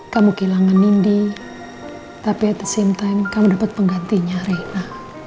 kamu kehilangan nindi tapi at the sintane kamu dapat penggantinya reina